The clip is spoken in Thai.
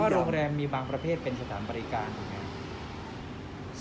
แสดงว่าโรงแรมมีบางประเภทเป็นสถานบริการอย่างไง